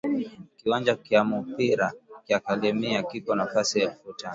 Kiwanja kya mupira kya kalemie kiko na fasi elfu tano